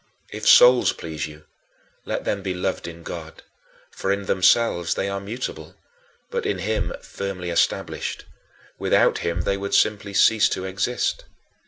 If souls please you, let them be loved in God; for in themselves they are mutable, but in him firmly established without him they would simply cease to exist.